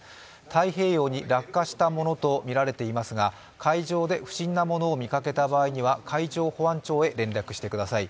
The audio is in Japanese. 太平洋に落下したものとみられていますが、海上で不審なものを見かけた場合には海上保安庁に連絡してください。